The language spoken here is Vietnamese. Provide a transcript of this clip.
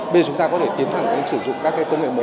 bây giờ chúng ta có thể tiến thẳng đến sử dụng các công nghệ mới